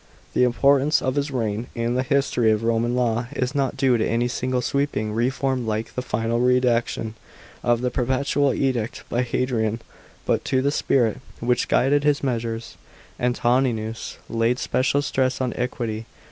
The importance of his reign in the history of Roman law is not due to any single sweeping reform — like the final redaction of the perpetual Edict by Hadrian — but to the spirit which guided his measures. Antoninus laid special stress on equity.